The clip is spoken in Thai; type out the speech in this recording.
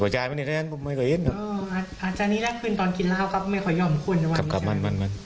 ครับมั่น